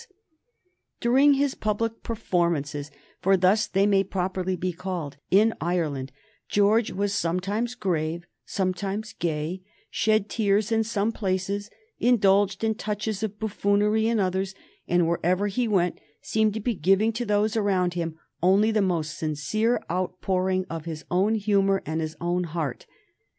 [Sidenote: 1821 The King's reception in Ireland] During his public performances for thus they may properly be called in Ireland, George was sometimes grave, sometimes gay; shed tears in some places, indulged in touches of buffoonery in others; and wherever he went seemed to be giving to those around him only the most sincere outpouring of his own humor and of his own heart.